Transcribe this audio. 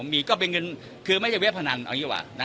มีก็เป็นเงินคือไม่ได้เวทพนัน